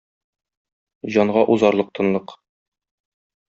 Җанга узарлык тынлык...